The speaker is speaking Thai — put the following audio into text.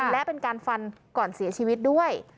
และเป็นการฟันก่อนเสียชีวิตด้วย